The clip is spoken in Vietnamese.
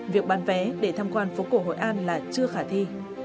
việc bán vé để tham quan phố cổ hội an là chưa khả thi